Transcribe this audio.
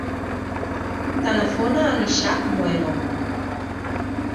Telefona a l'Ishak Nuevo.